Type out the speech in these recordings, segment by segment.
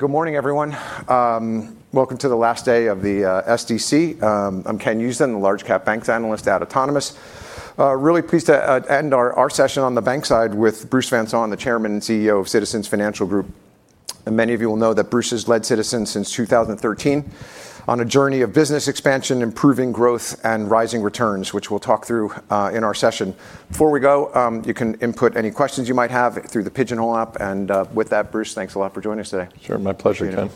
Good morning, everyone. Welcome to the last day of the SDC. I'm Ken Usdin, Large-Cap Banks Analyst at Autonomous. Really pleased to end our session on the bank side with Bruce Van Saun, the Chairman and CEO of Citizens Financial Group. Many of you will know that Bruce has led Citizens since 2013 on a journey of business expansion, improving growth, and rising returns, which we'll talk through in our session. Before we go, you can input any questions you might have through the Pigeonhole app. With that, Bruce, thanks a lot for joining us today. Sure. My pleasure, Ken.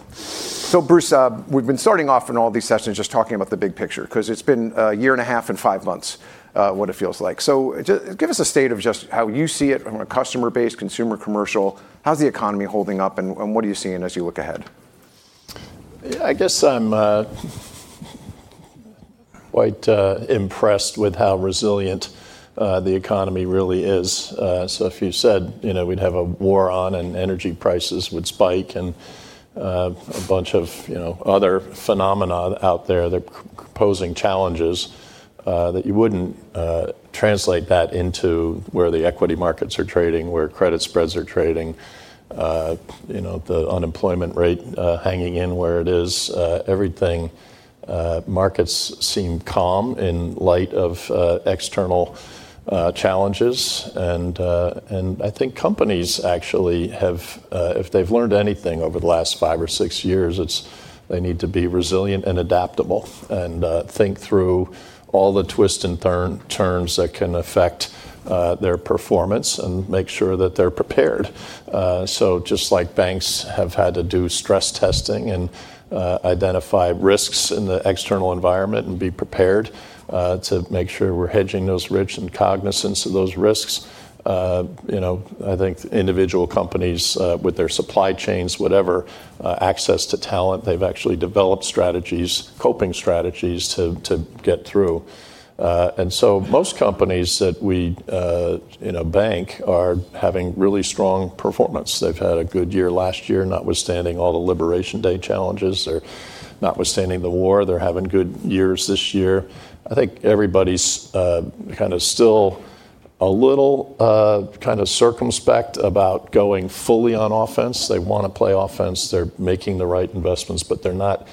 Bruce, we've been starting off in all these sessions just talking about the big picture, because it's been a year and a half and five months, what it feels like. Just give us a state of just how you see it from a customer base, consumer, commercial. How's the economy holding up and what are you seeing as you look ahead? I guess I'm quite impressed with how resilient the economy really is. If you said we'd have a war on and energy prices would spike and a bunch of other phenomena out there that are posing challenges, that you wouldn't translate that into where the equity markets are trading, where credit spreads are trading, the unemployment rate hanging in where it is, everything, markets seem calm in light of external challenges. I think companies actually have, if they've learned anything over the last five or six years, it's they need to be resilient and adaptable, and think through all the twists and turns that can affect their performance and make sure that they're prepared. Just like banks have had to do stress testing and identify risks in the external environment and be prepared to make sure we're hedging those risks and cognizance of those risks, I think individual companies with their supply chains, whatever, access to talent, they've actually developed strategies, coping strategies, to get through. Most companies that we bank are having really strong performance. They've had a good year last year, notwithstanding all the Liberation Day challenges or notwithstanding the war. They're having good years this year. I think everybody's kind of still a little kind of circumspect about going fully on offense. They want to play offense. They're making the right investments, but they're not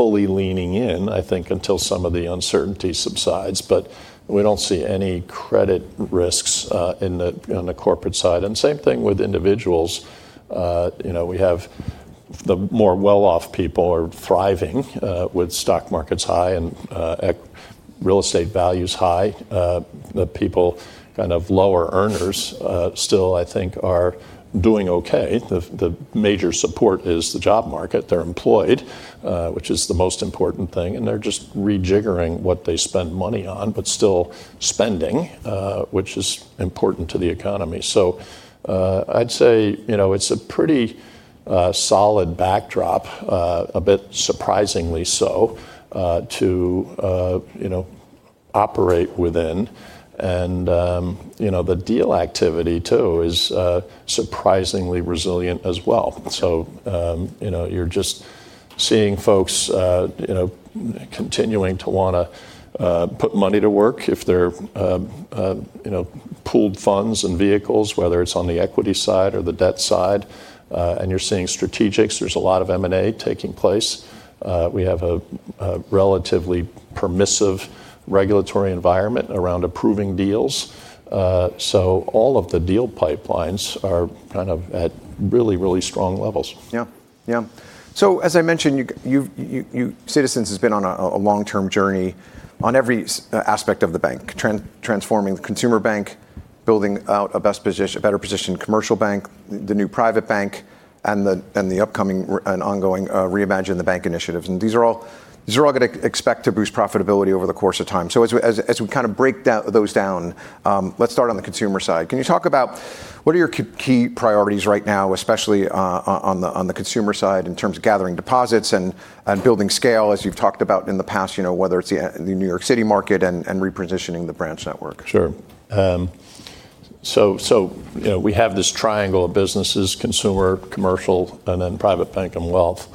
fully leaning in, I think, until some of the uncertainty subsides. But we don't see any credit risks on the corporate side. Same thing with individuals. We have the more well-off people are thriving with stock markets high and real estate values high. The people, kind of lower earners, still I think are doing okay. The major support is the job market. They're employed, which is the most important thing, and they're just rejiggering what they spend money on, but still spending, which is important to the economy. I'd say it's a pretty solid backdrop, a bit surprisingly so, to operate within and the deal activity too is surprisingly resilient as well. You're just seeing folks continuing to want to put money to work if they're pooled funds and vehicles, whether it's on the equity side or the debt side, and you're seeing strategics. There's a lot of M&A taking place. We have a relatively permissive regulatory environment around approving deals. All of the deal pipelines are at really, really strong levels. Yeah. As I mentioned, Citizens has been on a long-term journey on every aspect of the bank, transforming the consumer bank, building out a better-positioned commercial bank, the new private bank and the upcoming and ongoing Reimagine the Bank initiatives. These are all going to expect to boost profitability over the course of time. As we kind of break those down, let's start on the consumer side. Can you talk about what are your key priorities right now, especially on the consumer side in terms of gathering deposits and building scale, as you've talked about in the past, whether it's the New York City market and repositioning the branch network? Sure. We have this triangle of businesses, consumer, commercial, and then private bank and wealth.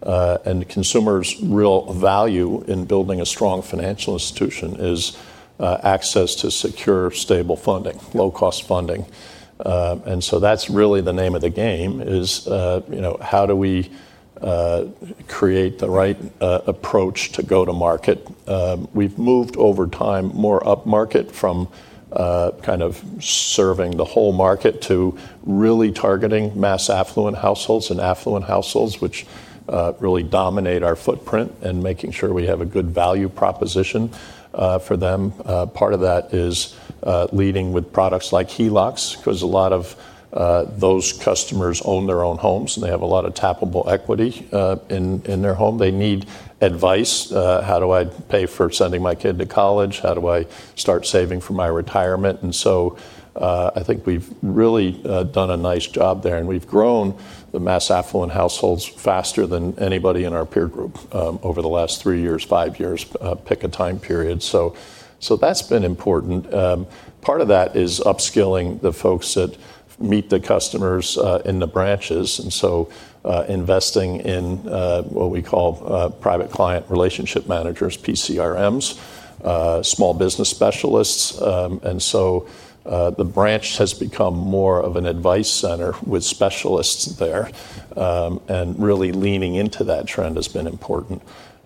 The consumer's real value in building a strong financial institution is access to secure, stable funding, low-cost funding. That's really the name of the game, is how do we create the right approach to go to market. We've moved over time more up market from kind of serving the whole market to really targeting mass affluent households and affluent households, which really dominate our footprint and making sure we have a good value proposition for them. Part of that is leading with products like HELOCs, because a lot of those customers own their own homes, and they have a lot of tappable equity in their home. They need advice. How do I pay for sending my kid to college? How do I start saving for my retirement? I think we've really done a nice job there, and we've grown the mass affluent households faster than anybody in our peer group over the last three years, five years, pick a time period. That's been important. Part of that is upskilling the folks that meet the customers in the branches, and so, investing in what we call private client relationship managers, PCRMs, small business specialists. The branch has become more of an advice center with specialists there, and really leaning into that trend has been important.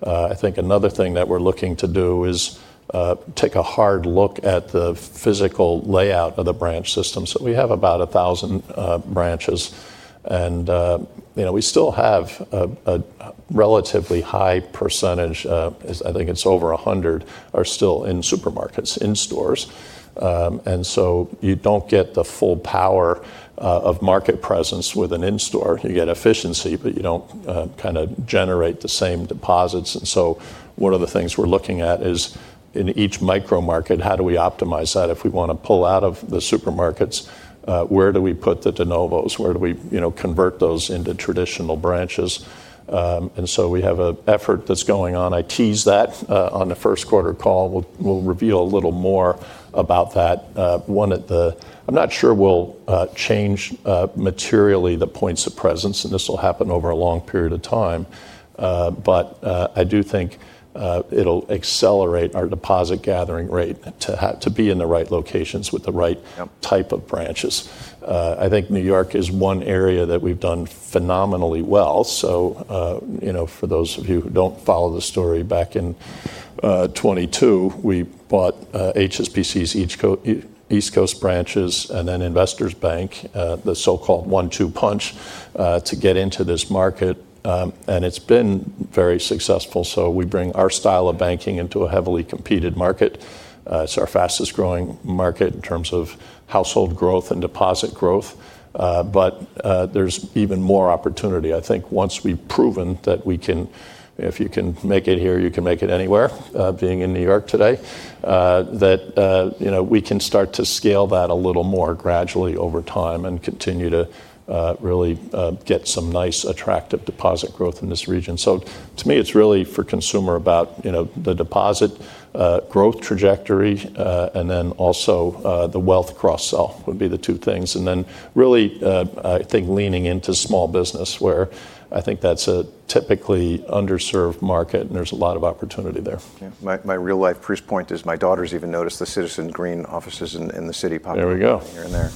I think another thing that we're looking to do is take a hard look at the physical layout of the branch systems. We have about 1,000 branches, and we still have a relatively high percentage of, I think it's over 100, are still in supermarkets, in stores. You don't get the full power of market presence with an in-store. You get efficiency, but you don't generate the same deposits, and so, one of the things we're looking at is in each micro market, how do we optimize that? If we want to pull out of the supermarkets, where do we put the de novos? Where do we convert those into traditional branches? We have an effort that's going on. I teased that on the first quarter call. We'll reveal a little more about that one. I'm not sure we'll change materially the points of presence, and this will happen over a long period of time, but I do think it'll accelerate our deposit gathering rate to be in the right locations. Yeah. With the right type of branches. I think New York is one area that we've done phenomenally well. For those of you who don't follow the story, back in 2022, we bought HSBC's East Coast branches and then Investors Bank, the so-called one-two punch, to get into this market, and it's been very successful. We bring our style of banking into a heavily competed market. It's our fastest-growing market in terms of household growth and deposit growth. There's even more opportunity. I think once we've proven that if you can make it here, you can make it anywhere, being in New York today, that we can start to scale that a little more gradually over time and continue to really get some nice attractive deposit growth in this region. To me, it's really for consumer about the deposit growth trajectory, also the wealth cross-sell would be the two things. Really, I think leaning into small business, where I think that's a typically underserved market and there's a lot of opportunity there. Yeah. My real-life proof point is my daughters even noticed the Citizens' green offices in the city. There we go. Up here and there.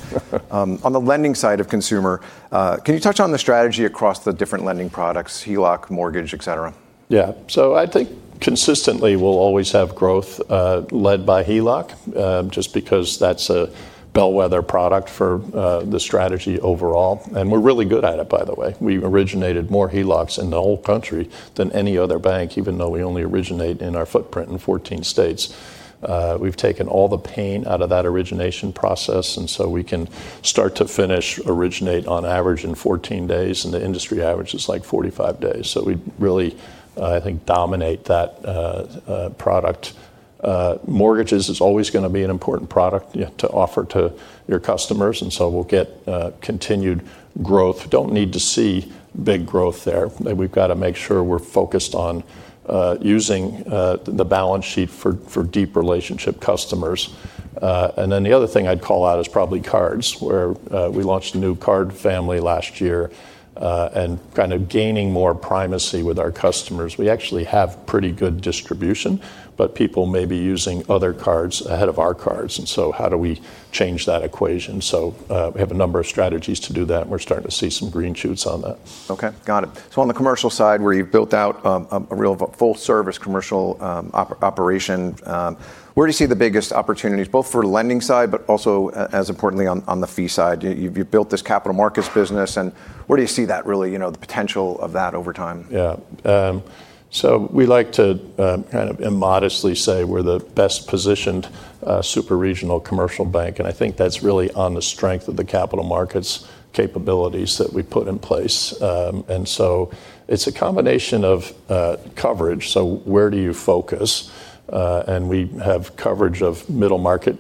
On the lending side of consumer, can you touch on the strategy across the different lending products, HELOC, mortgage, et cetera? Yeah. I think, consistently, we'll always have growth led by HELOC, just because that's a bellwether product for the strategy overall. We're really good at it, by the way. We've originated more HELOCs in the whole country than any other bank, even though we only originate in our footprint in 14 states. We've taken all the pain out of that origination process, and so we can start to finish, originate on average in 14 days, and the industry average is like 45 days. We really, I think, dominate that product. Mortgages is always going to be an important product to offer to your customers, and so we'll get continued growth. Don't need to see big growth there. We've got to make sure we're focused on using the balance sheet for deep relationship customers. The other thing I'd call out is probably cards, where we launched a new card family last year, and kind of gaining more primacy with our customers. We actually have pretty good distribution, but people may be using other cards ahead of our cards, and so how do we change that equation? We have a number of strategies to do that, and we're starting to see some green shoots on that. Okay. Got it. On the commercial side, where you've built out a real full-service commercial operation, where do you see the biggest opportunities, both for the lending side, but also, as importantly, on the fee side? You've built this capital markets business, and where do you see that really, the potential of that over time? Yeah. We like to kind of immodestly say we're the best-positioned super-regional commercial bank, and I think that's really on the strength of the capital markets capabilities that we put in place. It's a combination of coverage, so where do you focus? We have coverage of middle market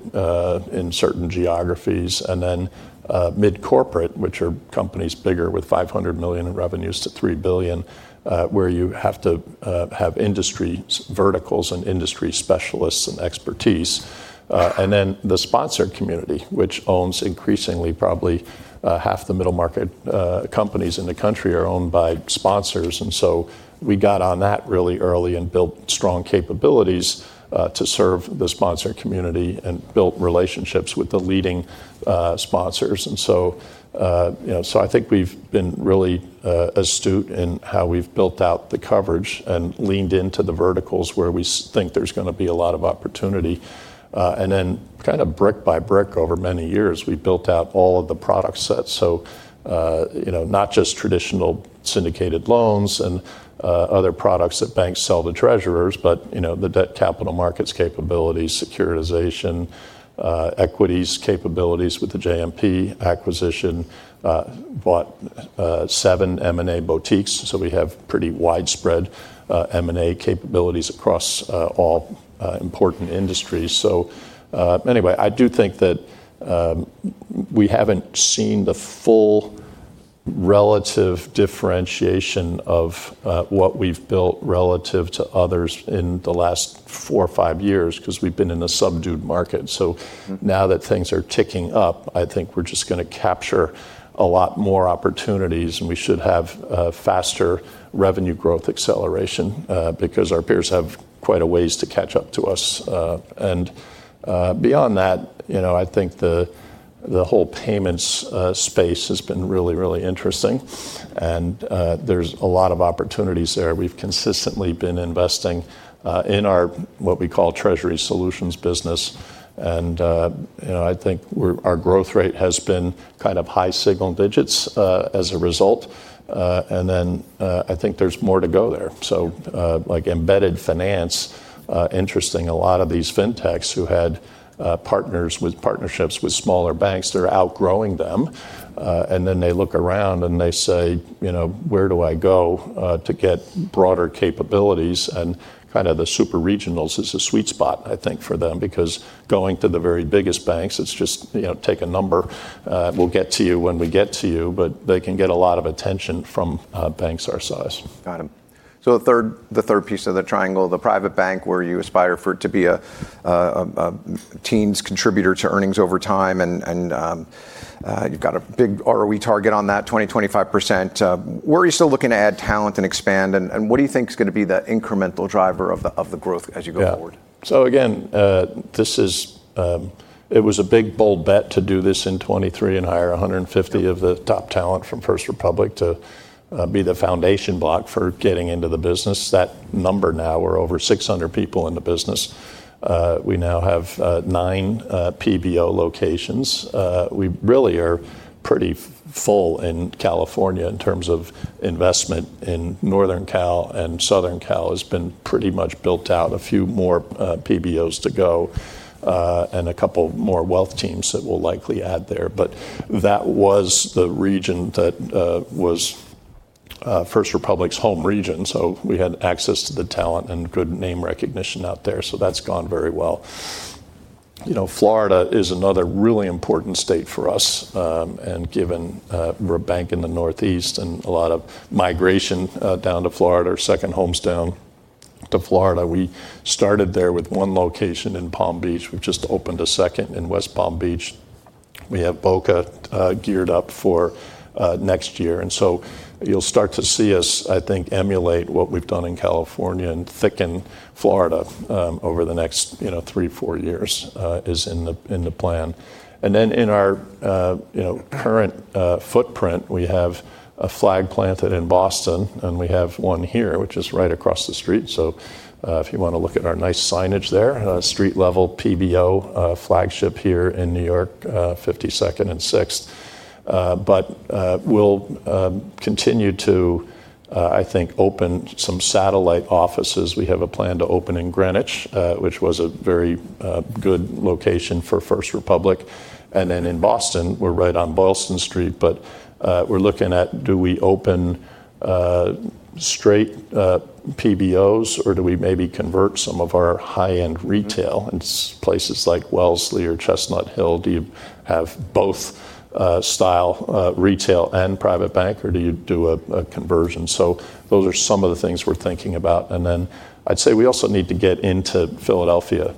in certain geographies, and then mid-corporate, which are companies bigger with $500 million in revenues to $3 billion, where you have to have industry verticals and industry specialists and expertise. Then, the sponsored community, which owns increasingly, probably half the middle market companies in the country are owned by sponsors, and so we got on that really early and built strong capabilities to serve the sponsored community and built relationships with the leading sponsors. I think we've been really astute in how we've built out the coverage and leaned into the verticals where we think there's going to be a lot of opportunity. Then, kind of brick by brick over many years, we built out all of the product sets, not just traditional syndicated loans and other products that banks sell to treasurers, but the debt capital markets capabilities, securitization, equities capabilities with the JMP acquisition. Bought seven M&A boutiques, so we have pretty widespread M&A capabilities across all important industries. Anyway, I do think that we haven't seen the full relative differentiation of what we've built relative to others in the last four or five years, because we've been in a subdued market. Now that things are ticking up, I think we're just going to capture a lot more opportunities, and we should have a faster revenue growth acceleration, because our peers have quite a ways to catch up to us. Beyond that, I think the whole payments space has been really, really interesting, and there's a lot of opportunities there. We've consistently been investing in our what we call treasury solutions business. I think our growth rate has been kind of high single digits as a result. I think there's more to go there. Like embedded finance, interesting, a lot of these fintechs who had partnerships with smaller banks, they're outgrowing them. Then they look around and they say, "Where do I go to get broader capabilities?" Kind of the super regionals is a sweet spot, I think, for them, because going to the very biggest banks, it's just, take a number, we'll get to you when we get to you. But they can get a lot of attention from banks our size. Got them. The third piece of the triangle, the private bank, where you aspire for it to be a teens contributor to earnings over time, and you've got a big ROE target on that 20%, 25%. Where are you still looking to add talent and expand, and what do you think is going to be the incremental driver of the growth as you go forward? Yeah. Again, it was a big, bold bet to do this in 2023 and hire 150 of the top talent from First Republic to be the foundation block for getting into the business. That number now we're over 600 people in the business. We now have nine PBO locations. We really are pretty full in California in terms of investment in Northern Cal and Southern Cal has been pretty much built out, a few more PBOs to go, and a couple more wealth teams that we'll likely add there. That was the region that was First Republic's home region, so we had access to the talent and good name recognition out there, so that's gone very well. Florida is another really important state for us, given we're a bank in the Northeast and a lot of migration down to Florida, our second homes down to Florida, we started there with one location in Palm Beach. We've just opened a second in West Palm Beach. We have Boca geared up for next year. You'll start to see us, I think, emulate what we've done in California and thicken Florida over the next three, four years is in the plan. In our current footprint, we have a flag planted in Boston, and we have one here, which is right across the street. If you want to look at our nice signage there, street level PBO flagship here in New York, 52nd and 6th. We'll continue to, I think, open some satellite offices. We have a plan to open in Greenwich, which was a very good location for First Republic. In Boston, we're right on Boylston St, but we're looking at do we open straight PBOs, or do we maybe convert some of our high-end retail in places like Wellesley or Chestnut Hill? Do you have both style retail and private bank, or do you do a conversion? Those are some of the things we're thinking about. I'd say we also need to get into Philadelphia,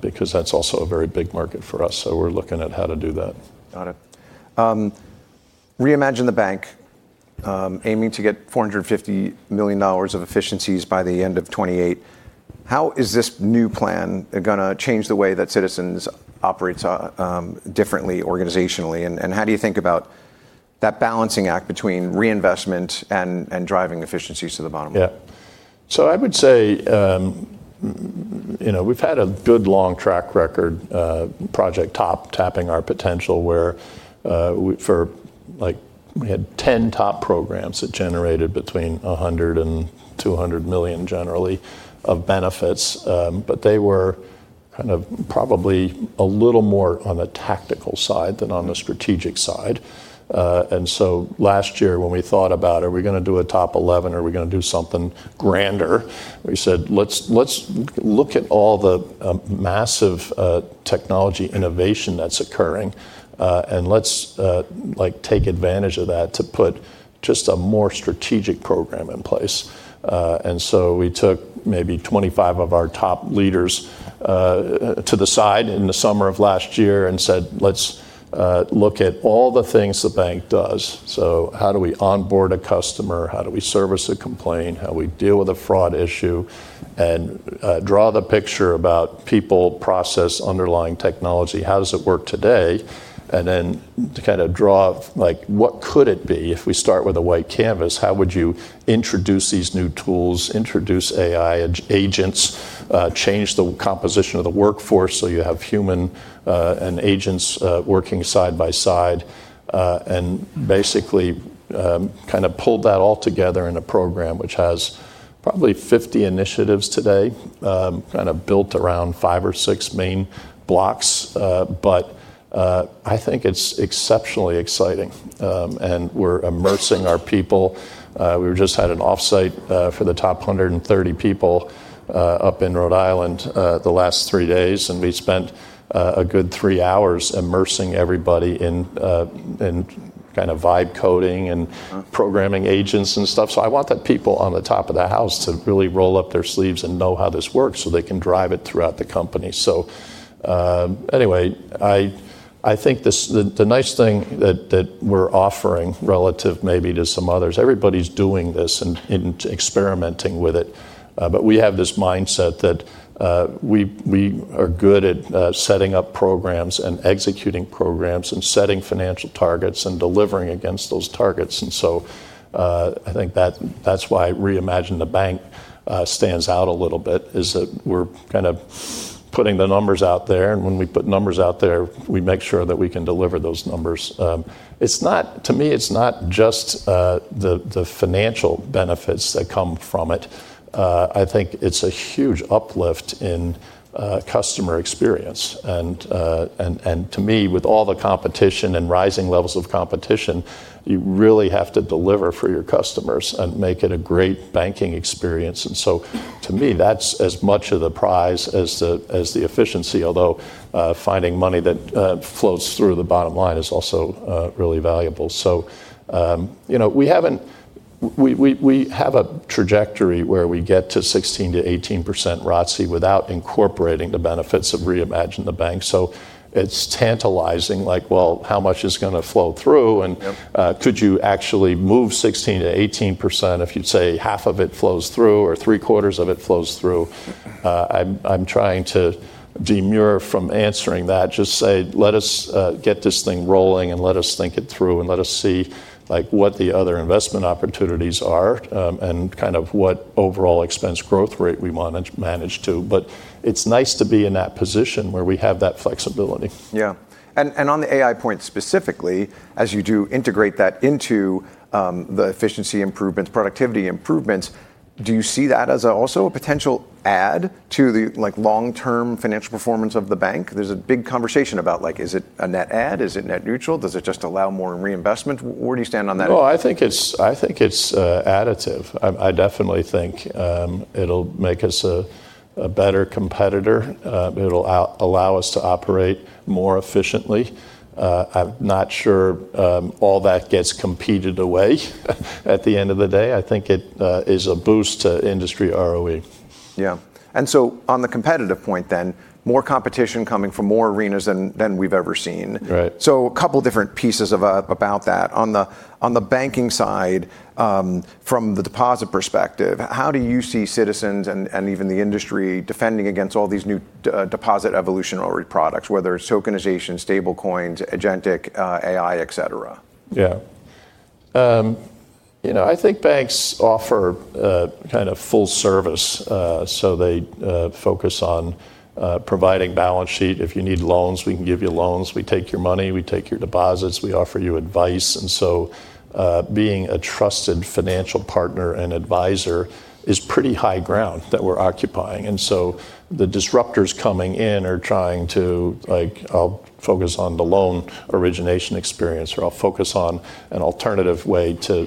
because that's also a very big market for us. We're looking at how to do that. Got it. Reimagine the Bank, aiming to get $450 million of efficiencies by the end of 2028. How is this new plan going to change the way that Citizens operates differently organizationally, and how do you think about that balancing act between reinvestment and driving efficiencies to the bottom line? I would say we've had a good long track record, project TOP, Tapping Our Potential, where for like, we had 10 TOP programs that generated between $100 million and $200 million generally of benefits. But they were kind of probably a little more on the tactical side than on the strategic side, so last year, when we thought about, are we going to do a TOP 11, are we going to do something grander? We said, "Let's look at all the massive technology innovation that's occurring, and let's take advantage of that to put just a more strategic program in place." We took maybe 25 of our top leaders to the side in the summer of last year and said, "Let's look at all the things the bank does." How do we onboard a customer? How do we service a complaint? How we deal with a fraud issue? Draw the picture about people, process, underlying technology. How does it work today? To kind of draw like what could it be if we start with a white canvas? How would you introduce these new tools, introduce AI agents, change the composition of the workforce, so you have human and agents working side by side? Basically, kind of pulled that all together in a program which has probably 50 initiatives today, built around five or six main blocks. I think it's exceptionally exciting, and we're immersing our people. We just had an offsite for the top 130 people up in Rhode Island the last three days, and we spent a good three hours immersing everybody in vibe coding, programming agents, and stuff. I want the people on the top of the house to really roll up their sleeves and know how this works, so they can drive it throughout the company. Anyway, I think the nice thing that we're offering relative maybe to some others, everybody's doing this and experimenting with it, but we have this mindset that we are good at setting up programs and executing programs and setting financial targets and delivering against those targets. I think that's why Reimagine the Bank stands out a little bit, is that we're kind of putting the numbers out there, and when we put numbers out there, we make sure that we can deliver those numbers. To me, it's not just the financial benefits that come from it. I think it's a huge uplift in customer experience, and to me, with all the competition and rising levels of competition, you really have to deliver for your customers and make it a great banking experience. To me, that's as much of the prize as the efficiency. Although, finding money that flows through the bottom line is also really valuable. We have a trajectory where we get to 16%-18% ROTCE without incorporating the benefits of Reimagine the Bank. It's tantalizing like, well, how much is going to flow through. Yep. Could you actually move 16%-18% if you'd say half of it flows through, or three-quarters of it flows through? I'm trying to demur from answering that. Just say, "Let us get this thing rolling and let us think it through and let us see what the other investment opportunities are, and what overall expense growth rate we want to manage to." It's nice to be in that position where we have that flexibility. Yeah. On the AI point specifically, as you do integrate that into the efficiency improvements, productivity improvements, do you see that as also a potential add to the long-term financial performance of the bank? There's a big conversation about like, is it a net add? Is it net neutral? Does it just allow more reinvestment? Where do you stand on that? Well, I think it's additive. I definitely think it'll make us a better competitor. It'll allow us to operate more efficiently. I'm not sure all that gets competed away at the end of the day. I think it is a boost to industry ROE. Yeah. On the competitive point then, more competition coming from more arenas than we've ever seen. Right. A couple of different pieces about that. On the banking side, from the deposit perspective, how do you see Citizens and even the industry defending against all these new deposit evolutionary products, whether it's tokenization, stablecoins, agentic AI, et cetera? Yeah. I think banks offer a kind of full service, so they focus on providing balance sheet. If you need loans, we can give you loans. We take your money, we take your deposits, we offer you advice. Being a trusted financial partner and advisor is pretty high ground that we're occupying. The disruptors coming in are trying to like, "I'll focus on the loan origination experience," or, "I'll focus on an alternative way to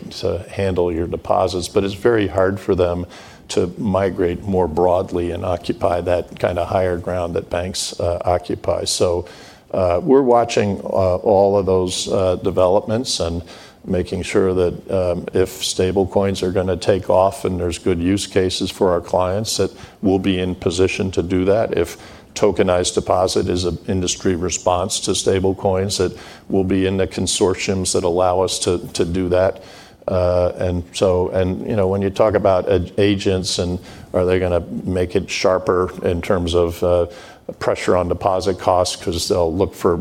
handle your deposits." But it's very hard for them to migrate more broadly and occupy that kind of higher ground that banks occupy. We're watching all of those developments and making sure that if stablecoins are going to take off and there's good use cases for our clients, that we'll be in position to do that. If tokenized deposit is an industry response to stablecoins, that we'll be in the consortiums that allow us to do that. When you talk about agents and are they going to make it sharper in terms of pressure on deposit costs because they'll look for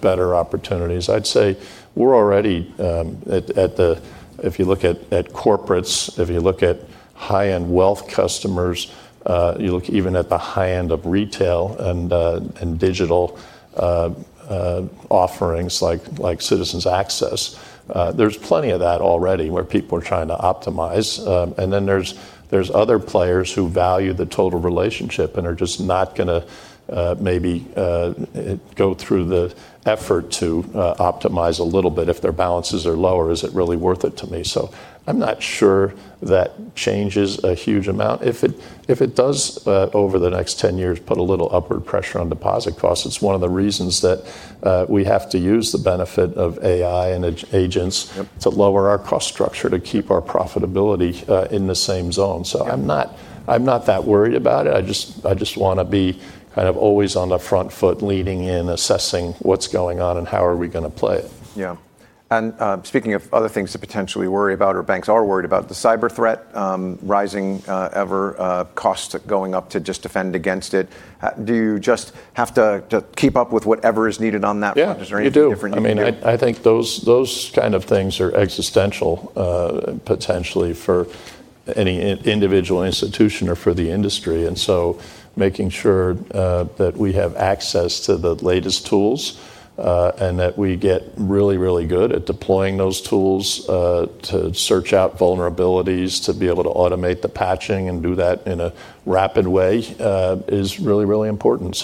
better opportunities, I'd say, we're already, if you look at corporates, if you look at high-end wealth customers, you look even at the high end of retail and digital offerings like Citizens Access, there's plenty of that already where people are trying to optimize. Then, there's other players who value the total relationship and are just not going to maybe go through the effort to optimize a little bit. If their balances are lower, is it really worth it to me? I'm not sure that changes a huge amount. If it does, over the next 10 years, put a little upward pressure on deposit costs, it's one of the reasons that we have to use the benefit of AI and agents. Yep. To lower our cost structure to keep our profitability in the same zone. Yeah. I'm not that worried about it. I just want to be kind of always on the front foot leading in assessing what's going on and how are we going to play it. Yeah. Speaking of other things to potentially worry about, or banks are worried about, the cyber threat, rising ever, costs going up to just defend against it. Do you just have to keep up with whatever is needed on that front? Yeah, you do. Is there anything different you can do? I think those kinds of things are existential, potentially for any individual institution or for the industry. Making sure that we have access to the latest tools, and that we get really, really good at deploying those tools, to search out vulnerabilities, to be able to automate the patching and do that in a rapid way, is really, really important.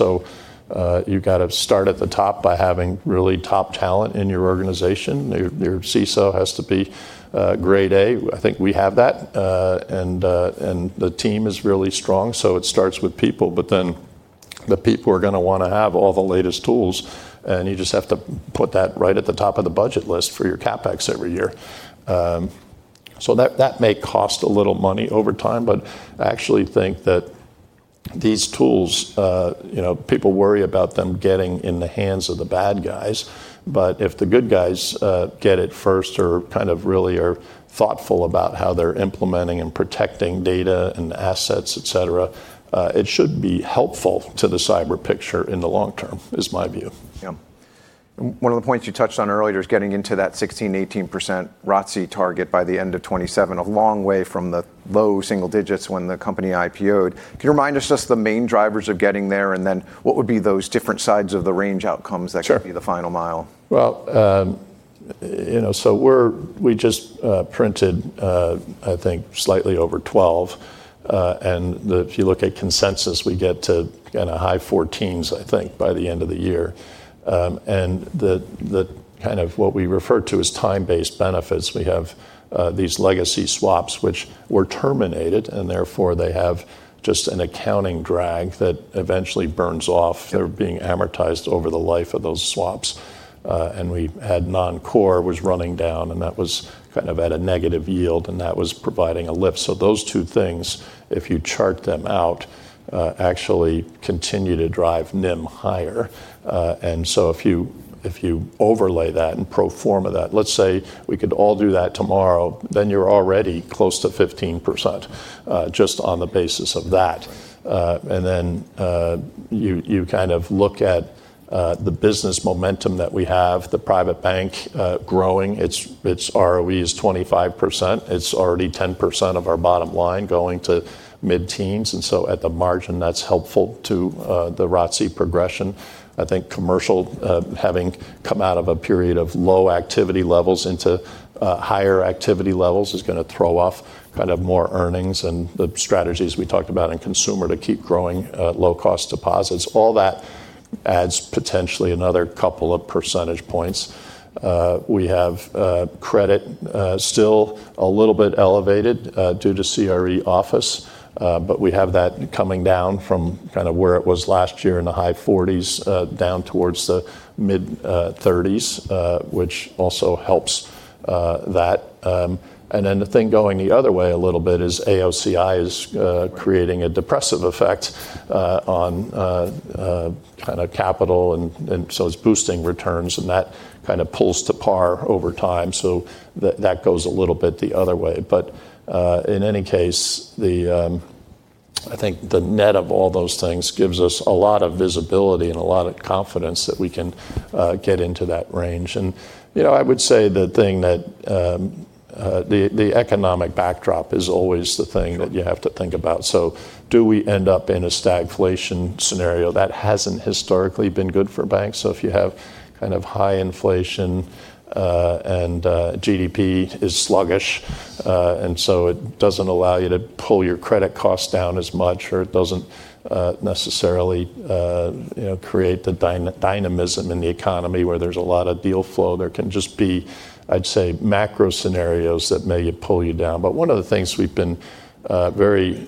You've got to start at the top by having really top talent in your organization. Your CISO has to be grade A. I think we have that. The team is really strong, so it starts with people. But then, the people are going to want to have all the latest tools, and you just have to put that right at the top of the budget list for your CapEx every year. That may cost a little money over time, but I actually think that these tools, people worry about them getting in the hands of the bad guys, but if the good guys get it first or really are thoughtful about how they're implementing and protecting data and assets, et cetera, it should be helpful to the cyber picture in the long term, is my view. Yeah. One of the points you touched on earlier is getting into that 16%-18% ROTCE target by the end of 2027, a long way from the low single digits when the company IPO'd. Can you remind us just the main drivers of getting there, and then what would be those different sides of the range outcomes? Sure. That could be the final mile? Well, we just printed, I think, slightly over 12%. If you look at consensus, we get to high 14s, I think, by the end of the year. The kind of what we refer to as time-based benefits, we have these legacy swaps, which were terminated, and therefore, they have just an accounting drag that eventually burns off. They're being amortized over the life of those swaps. We had non-core was running down, and that was kind of at a negative yield, and that was providing a lift. Those two things, if you chart them out, actually continue to drive NIM higher. If you overlay that and pro forma that, let's say, we could all do that tomorrow, then you're already close to 15%, just on the basis of that. Right. You kind of look at the business momentum that we have, the private bank growing. Its ROE is 25%. It's already 10% of our bottom line going to mid-teens, and so at the margin, that's helpful to the ROTCE progression. I think commercial having come out of a period of low activity levels into higher activity levels is going to throw off more earnings. The strategies we talked about in consumer to keep growing at low-cost deposits, all that adds potentially another couple of percentage points. We have credit still a little bit elevated due to CRE office, but we have that coming down from where it was last year in the high 40s down towards the mid-30s, which also helps that. The thing going the other way a little bit is AOCI is creating a depressive effect on capital, and so it's boosting returns, and that kind of pulls to par over time. That goes a little bit the other way. In any case, I think the net of all those things gives us a lot of visibility and a lot of confidence that we can get into that range. I would say the thing that the economic backdrop is always the thing. Sure. That you have to think about. Do we end up in a stagflation scenario? That hasn't historically been good for banks. If you have kind of high inflation, and GDP is sluggish, and so it doesn't allow you to pull your credit costs down as much, or it doesn't necessarily create the dynamism in the economy where there's a lot of deal flow. There can just be, I'd say, macro scenarios that may pull you down. One of the things we've been very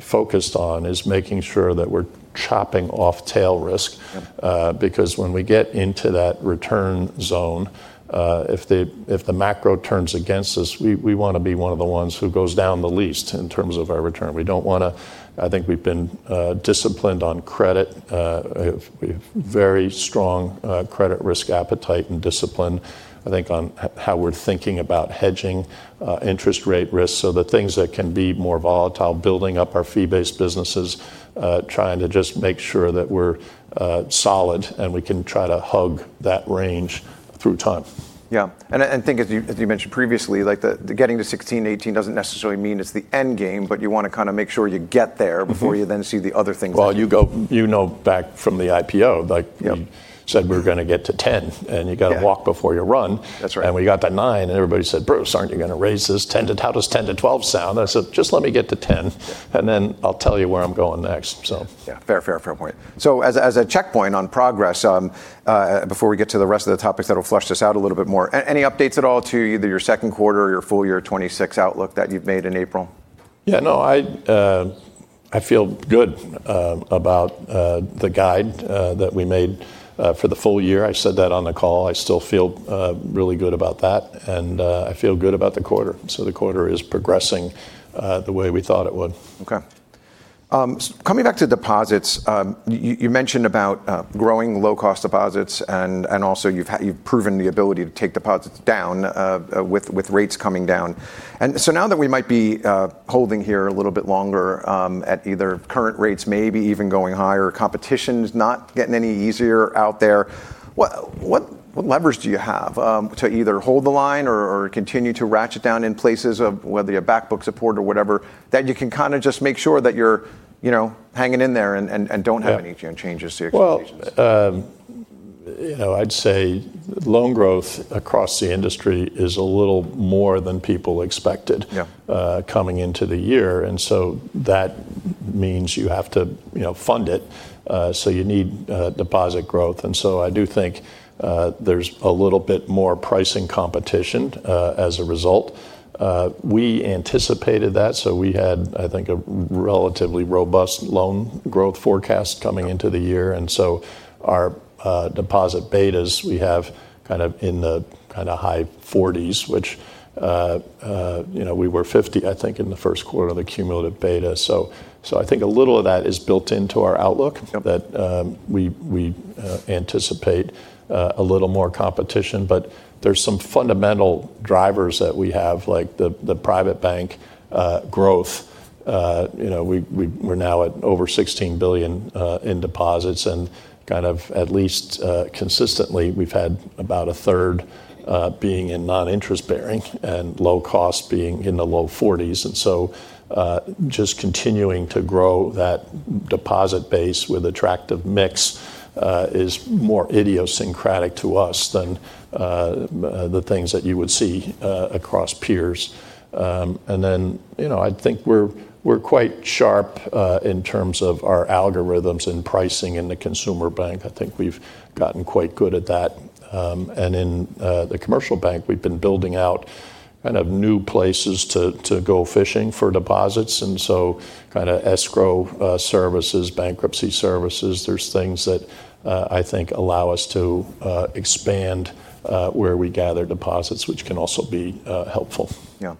focused on is making sure that we're chopping off tail risk. Yeah. Because when we get into that return zone, if the macro turns against us, we want to be one of the ones who goes down the least in terms of our return. We don't want to, I think we've been disciplined on credit. We have very strong credit risk appetite and discipline, I think, on how we're thinking about hedging interest rate risk. The things that can be more volatile, building up our fee-based businesses, trying to just make sure that we're solid, and we can try to hug that range through time. Yeah. I think, as you mentioned previously, getting to 16%, 18% doesn't necessarily mean it's the end game, but you want to kind of make sure you get there before you then see the other things. Well, you know back from the IPO. Yeah. We said we were going to get to 10%, and you got to. Yeah. Walk before you run. That's right. We got to 9%, and everybody said, "Bruce, aren't you going to raise this? How does 10%-12% sound?" I said, "Just let me get to 10%, and then I'll tell you where I'm going next." Yeah. Fair point. As a checkpoint on progress, before we get to the rest of the topics that'll flush this out a little bit more, any updates at all to either your second quarter or your full-year 2026 outlook that you've made in April? Yeah, no, I feel good about the guide that we made for the full year. I said that on the call. I still feel really good about that, and I feel good about the quarter. The quarter is progressing the way we thought it would. Okay. Coming back to deposits, you mentioned about growing low-cost deposits and also, you've proven the ability to take deposits down with rates coming down. Now that we might be holding here a little bit longer at either current rates, maybe even going higher, competition's not getting any easier out there. What levers do you have to either hold the line or continue to ratchet down in places of whether you have back book support or whatever, that you can kind of just make sure that you're hanging in there? Yeah. Any changes to your calculations? I'd say loan growth across the industry is a little more than people expected. Yeah. Coming into the year. That means you have to fund it, so you need deposit growth. I do think there's a little bit more pricing competition, as a result. We anticipated that, so we had, I think, a relatively robust loan growth forecast coming into the year. Our deposit betas we have in the high 40s, which we were 50%, I think, in the first quarter, the cumulative beta, so I think a little of that is built into our outlook. Yep. That we anticipate a little more competition. But there's some fundamental drivers that we have, like the private bank growth. We're now at over $16 billion in deposits, and at least consistently, we've had about a third being in non-interest bearing and low cost being in the low 40s. Just continuing to grow that deposit base with attractive mix is more idiosyncratic to us than the things that you would see across peers. I think we're quite sharp in terms of our algorithms and pricing in the consumer bank. I think we've gotten quite good at that. In the commercial bank, we've been building out new places to go fishing for deposits, and so, escrow services, bankruptcy services. There's things that I think allow us to expand where we gather deposits, which can also be helpful. Yeah.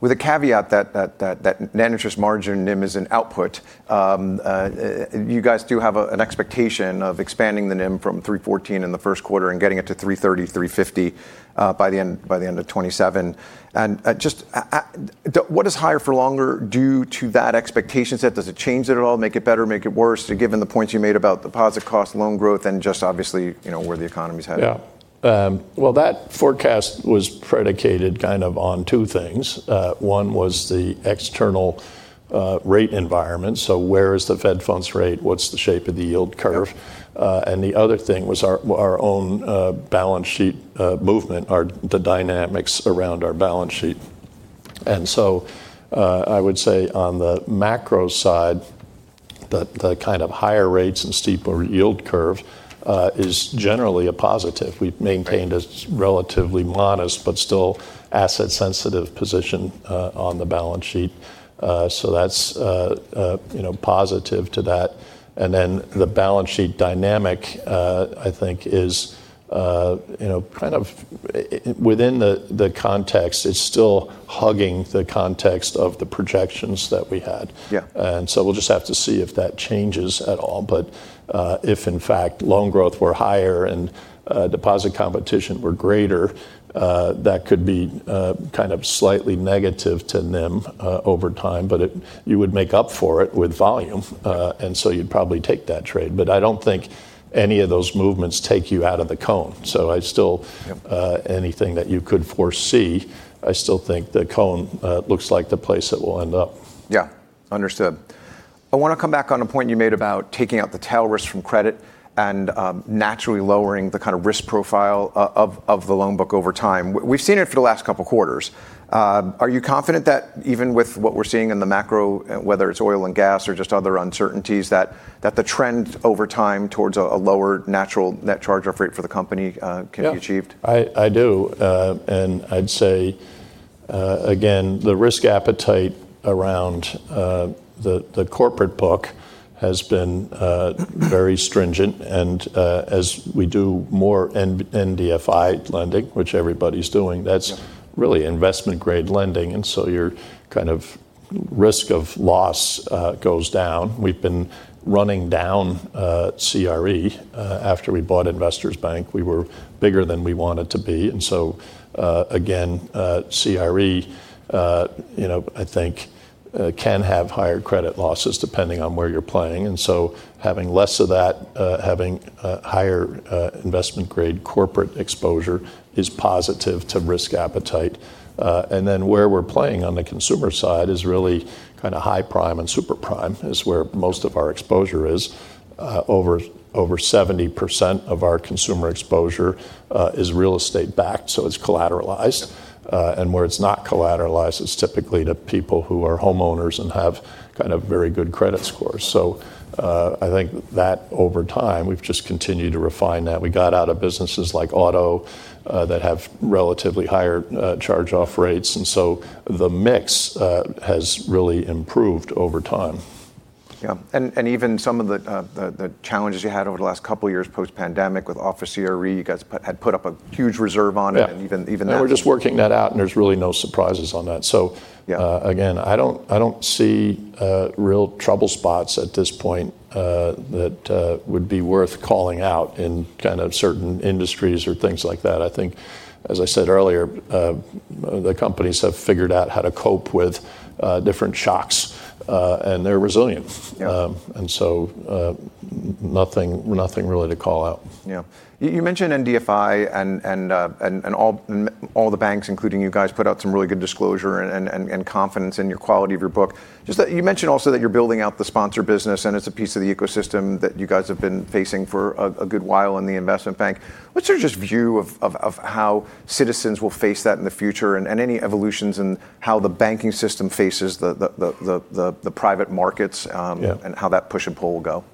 With a caveat that net interest margin, NIM, is an output, you guys do have an expectation of expanding the NIM from 314 in the first quarter and getting it to 330, 350 by the end of 2027. Just what does higher for longer do to that expectation set? Does it change it at all, make it better, make it worse? Given the points you made about deposit cost, loan growth, and just obviously, where the economy's headed. Yeah. Well, that forecast was predicated on two things. One was the external rate environment, so where is the Fed funds rate, what's the shape of the yield curve. Yeah. The other thing was our own balance sheet movement, the dynamics around our balance sheet. I would say on the macro side, the kind of higher rates and steeper yield curve is generally a positive. We've maintained. Right. A relatively modest, but still asset-sensitive position on the balance sheet. That's positive to that. The balance sheet dynamic, I think, is within the context, it's still hugging the context of the projections that we had. Yeah. We'll just have to see if that changes at all. If, in fact, loan growth were higher and deposit competition were greater, that could be slightly negative to NIM over time. But you would make up for it with volume, and so you'd probably take that trade. But I don't think any of those movements take you out of the cone. Yep. So, I still, anything that you could foresee, I still think the cone looks like the place it will end up. Yeah. Understood. I want to come back on a point you made about taking out the tail risk from credit and naturally lowering the kind of risk profile of the loan book over time. We've seen it for the last couple of quarters. Are you confident that even with what we're seeing in the macro, whether it's oil and gas or just other uncertainties, that the trend over time towards a lower natural net charge-off rate for the company can be achieved? Yeah. I do. I'd say, again, the risk appetite around the corporate book has been very stringent. As we do more NDFI lending, which everybody's doing. Yeah. That's really investment grade lending, and so your risk of loss goes down. We've been running down CRE. After we bought Investors Bank, we were bigger than we wanted to be. Again, CRE, I think, can have higher credit losses depending on where you're playing. Having less of that, having higher investment grade corporate exposure is positive to risk appetite. Where we're playing on the consumer side is really high prime and super prime, is where most of our exposure is. Over 70% of our consumer exposure is real estate-backed, so it's collateralized. Where it's not collateralized, it's typically to people who are homeowners and have very good credit scores. I think that over time, we've just continued to refine that. We got out of businesses like auto that have relatively higher charge-off rates, and so the mix has really improved over time. Yeah. Even some of the challenges you had over the last couple of years post-pandemic with office CRE, you guys had put up a huge reserve on it. Yeah. And even that. We're just working that out, and there's really no surprises on that. Yeah. So, again, I don't see real trouble spots at this point that would be worth calling out in certain industries or things like that. I think, as I said earlier, the companies have figured out how to cope with different shocks, and they're resilient. Yeah. Nothing really to call out. Yeah. You mentioned NDFI and all the banks, including you guys, put out some really good disclosure and confidence in your quality of your book. You mentioned also that you're building out the sponsor business, and it's a piece of the ecosystem that you guys have been facing for a good while in the investment bank. What's your just view of how Citizens will face that in the future, and any evolutions in how the banking system faces the private markets? Yeah. How that push and pull will go?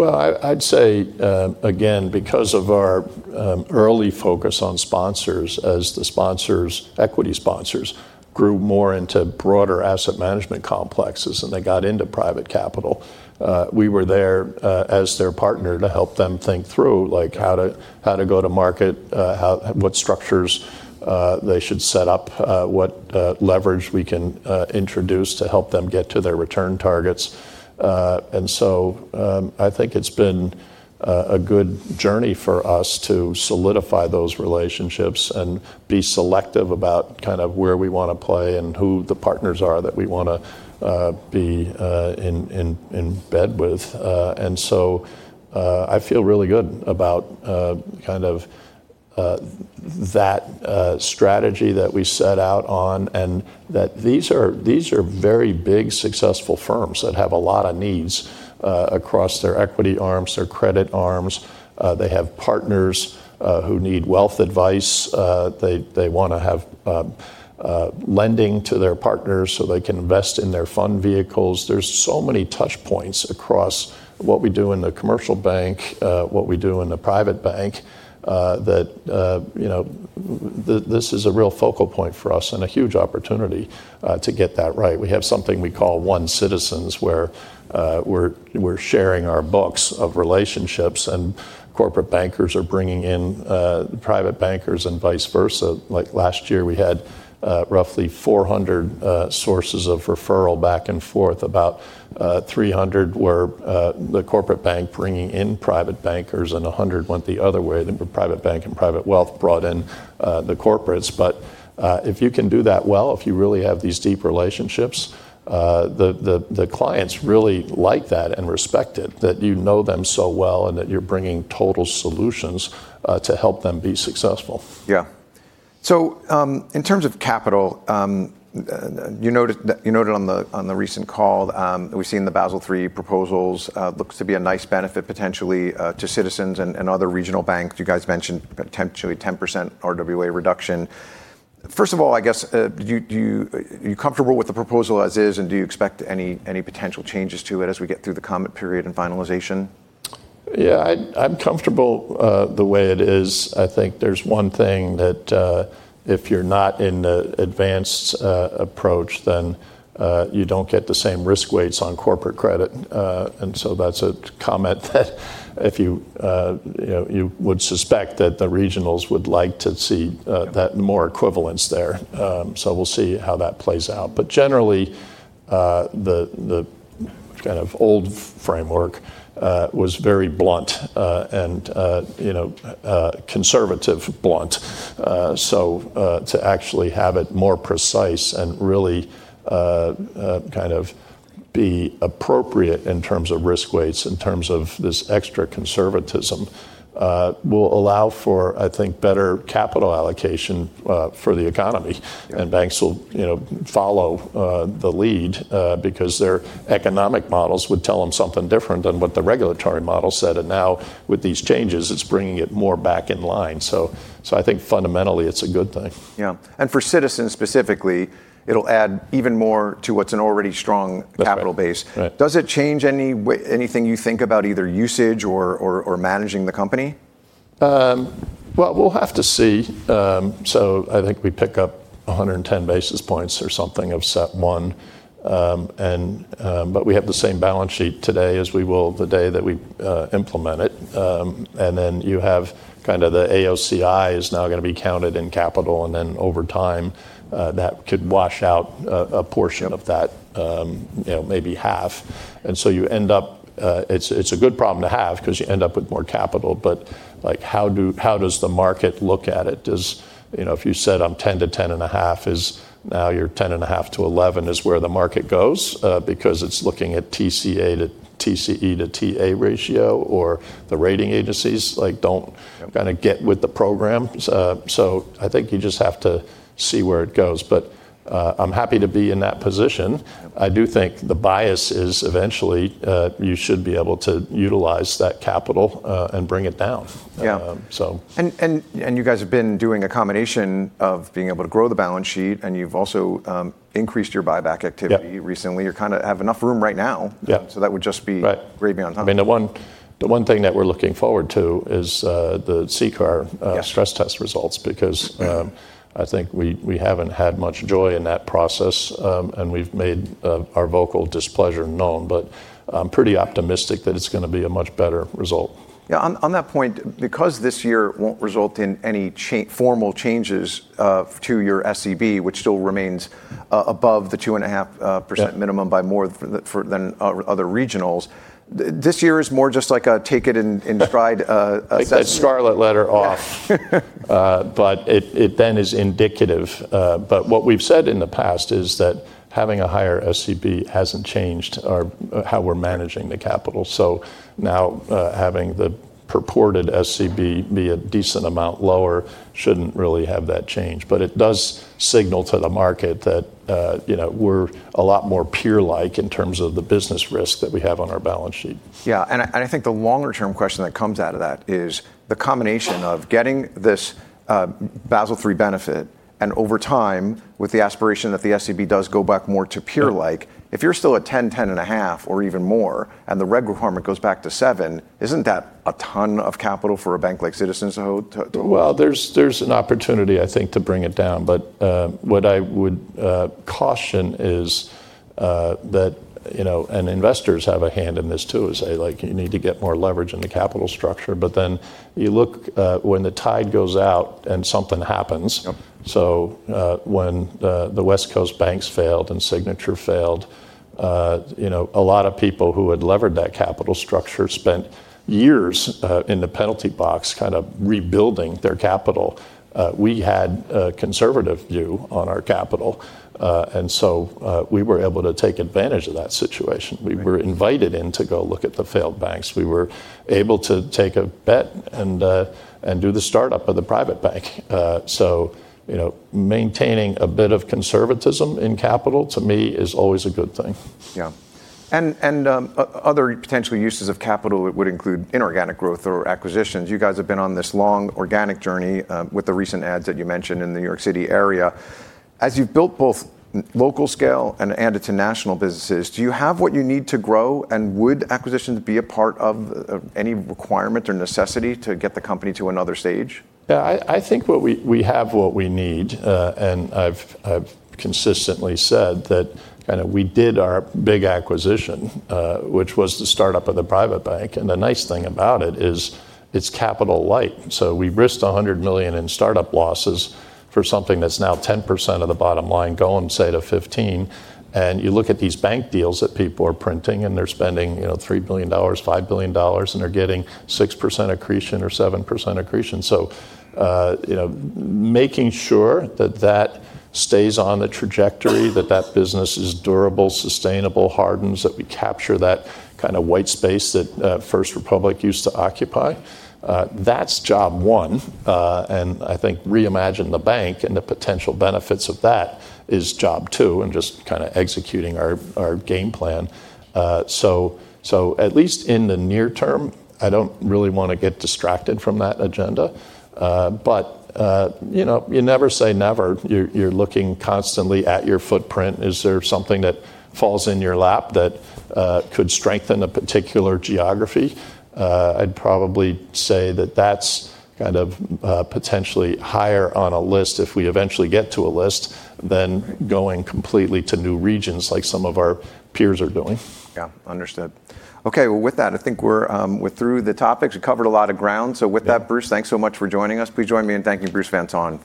I'd say, again, because of our early focus on sponsors, as the sponsors, equity sponsors grew more into broader asset management complexes and they got into private capital, we were there as their partner to help them think through, like how to go to market, what structures they should set up, what leverage we can introduce to help them get to their return targets. I think it's been a good journey for us to solidify those relationships and be selective about kind of where we want to play and who the partners are that we want to be in bed with. I feel really good about kind of that strategy that we set out on, and that these are very big, successful firms that have a lot of needs across their equity arms, their credit arms. They have partners who need wealth advice. They want to have lending to their partners so they can invest in their fund vehicles. There's so many touch points across what we do in the commercial bank, what we do in the private bank, that this is a real focal point for us and a huge opportunity to get that right. We have something we call One Citizens, where we're sharing our books of relationships, and corporate bankers are bringing in private bankers, and vice versa. Like, last year, we had roughly 400 sources of referral back and forth. About 300 were the corporate bank bringing in private bankers, and 100 went the other way, the private bank and private wealth brought in the corporates. If you can do that well, if you really have these deep relationships, the clients really like that and respect it, that you know them so well and that you're bringing total solutions to help them be successful. In terms of capital, you noted on the recent call that we've seen the Basel III proposals. Looks to be a nice benefit, potentially, to Citizens and other regional banks. You guys mentioned potentially 10% RWA reduction. First of all, I guess, are you comfortable with the proposal as is, and do you expect any potential changes to it as we get through the comment period and finalization? Yeah, I'm comfortable the way it is. I think there's one thing that, if you're not in the advanced approach, then you don't get the same risk weights on corporate credit. That's a comment that you would suspect that the regionals would like to see more equivalence there. We'll see how that plays out. Generally, the kind of old framework was very blunt and conservative blunt. To actually have it more precise and really kind of be appropriate in terms of risk weights, in terms of this extra conservatism, will allow for, I think, better capital allocation for the economy. Banks will follow the lead, because their economic models would tell them something different than what the regulatory model said. Now, with these changes, it's bringing it more back in line. I think fundamentally, it's a good thing. Yeah. For Citizens specifically, it'll add even more to what's an already strong capital base. That's right. Does it change anything you think about either usage or managing the company? Well, we'll have to see. I think we pick up 110 basis points or something of CET1. We have the same balance sheet today as we will the day that we implement it. Then you have kind of the AOCI is now going to be counted in capital, then over time, that could wash out a portion of that, maybe half. You end up, it's a good problem to have because you end up with more capital, but how does the market look at it? If you said, "I'm 10%-10.5%," now, you're 10.5%-11% is where the market goes because it's looking at TCE to TA ratio, or the rating agencies don't kind of get with the program. I think you just have to see where it goes. I'm happy to be in that position. I do think the bias is, eventually, you should be able to utilize that capital and bring it down. Yeah. So. You guys have been doing a combination of being able to grow the balance sheet, and you've also increased your buyback activity. Yep. Recently. You kind of have enough room right now. Yeah. That would just be. Right. Gravy on top. I mean, the one thing that we're looking forward to is the CCAR. Yeah. Stress test results, because I think we haven't had much joy in that process. We've made our vocal displeasure known, but I'm pretty optimistic that it's going to be a much better result. Yeah, on that point, because this year won't result in any formal changes to your SCB, which still remains above the 2.5% minimum by more than other regionals, this year is more just like a take it in stride assessment. Take that scarlet letter off. Yeah. It then is indicative. What we've said in the past is that having a higher SCB hasn't changed how we're managing the capital. Now, having the purported SCB be a decent amount lower shouldn't really have that change. But it does signal to the market that we're a lot more peer-like in terms of the business risk that we have on our balance sheet. Yeah. I think the longer-term question that comes out of that is the combination of getting this Basel III benefit, and over time, with the aspiration that the SCB does go back more to peer-like, if you're still at 10%, 10.5%, or even more, and the reg requirement goes back to 7%, isn't that a ton of capital for a bank like Citizens to hold? Well, there's an opportunity, I think, to bring it down. What I would caution is that investors have a hand in this too, and say, "You need to get more leverage in the capital structure." But then, you look when the tide goes out and something happens. Yep. When the West Coast banks failed and Signature failed, a lot of people who had levered that capital structure spent years in the penalty box kind of rebuilding their capital. We had a conservative view on our capital, and so, we were able to take advantage of that situation. Right. We were invited in to go look at the failed banks. We were able to take a bet and do the startup of the private bank. Maintaining a bit of conservatism in capital, to me, is always a good thing. Yeah. Other potential uses of capital would include inorganic growth or acquisitions. You guys have been on this long organic journey with the recent adds that you mentioned in the New York City area. As you've built both local scale and added to national businesses, do you have what you need to grow, and would acquisitions be a part of any requirement or necessity to get the company to another stage? Yeah, I think we have what we need. I've consistently said that we did our big acquisition, which was the startup of the private bank. The nice thing about it is it's capital-light. We risked $100 million in startup losses for something that's now 10% of the bottom line going, say, to 15%. You look at these bank deals that people are printing, and they're spending $3 billion, $5 billion, and they're getting 6% accretion or 7% accretion. Making sure that that stays on the trajectory, that that business is durable, sustainable, hardens, that we capture that kind of white space that First Republic used to occupy, that's job one. I think Reimagine the Bank and the potential benefits of that is job two, and just kind of executing our game plan. At least in the near term, I don't really want to get distracted from that agenda. But you never say never. You're looking constantly at your footprint. Is there something that falls in your lap that could strengthen a particular geography? I'd probably say that that's kind of potentially higher on a list if we eventually get to a list than going completely to new regions like some of our peers are doing. Yeah, understood. Okay, well, with that, I think we're through the topics. We covered a lot of ground. With that, Bruce, thanks so much for joining us. Please join me in thanking Bruce Van Saun.